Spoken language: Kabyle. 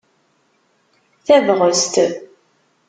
Tabɣest!